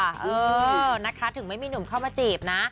เออนะคะถึงไม่มีหนุ่มเข้ามาจีบนะ